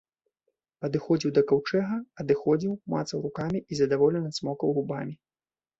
Падыходзіў да каўчэга, адыходзіў, мацаў рукамі і задаволена цмокаў губамі.